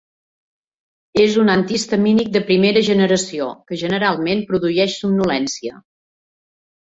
És un antihistamínic de primera generació, que generalment produeix somnolència.